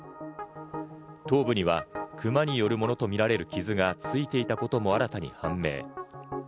頭部にはクマによるものとみられる傷がついていたことも新たに判明。